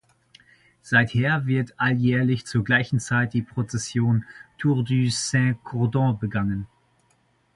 Seither wird alljährlich zur gleichen Zeit die Prozession „Tour du Saint-Cordon“ begangen.